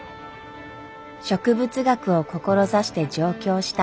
植物学を志して上京した万太郎。